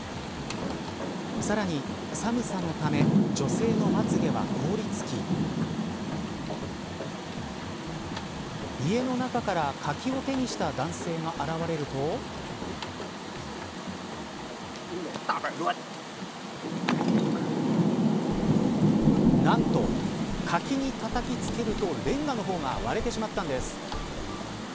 さらに、寒さのため女性のまつ毛は凍りつき家の中からカキを手にした男性が現れると何と、カキをたたきつけるとレンガの方が割れてしまったんです。